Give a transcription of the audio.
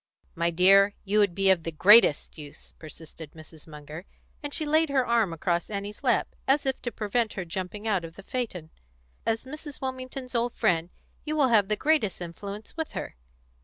"My dear, you would be of the greatest use," persisted Munger, and she laid her arm across Annie's lap, as if to prevent her jumping out of the phaeton. "As Mrs. Wilmington's old friend, you will have the greatest influence with her."